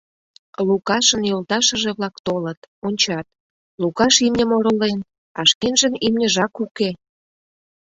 Лукашын йолташыже-влак толыт, ончат: Лукаш имньым оролен, а шкенжын имньыжак уке.